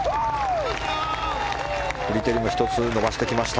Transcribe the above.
フリテリも１つ伸ばしてきました。